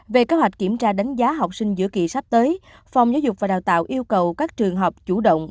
về kế hoạch kiểm tra đánh giá học sinh giữa kỳ sắp tới phòng giáo dục và đào tạo yêu cầu các trường học chủ động